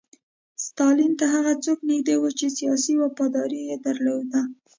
ستالین ته هغه څوک نږدې وو چې سیاسي وفاداري یې درلوده